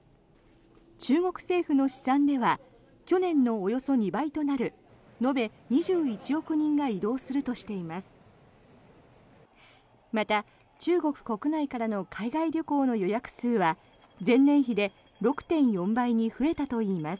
中国政府の試算では去年のおよそ２倍となる延べ２１億人が移動するとしています。